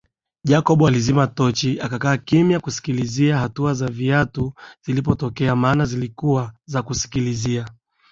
Jacob alizima tochi akakaa kimya kusikilizia hatua za viatu zilipotokea maana zilikuwa za kusikilizia